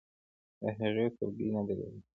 د هغه سلګۍ نه درېدلې.